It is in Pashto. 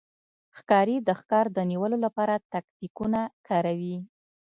ښکاري د ښکار د نیولو لپاره تاکتیکونه کاروي.